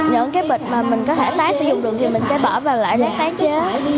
những cái bịch mà mình có thể tái sử dụng được thì mình sẽ bỏ vào loại rác tái chế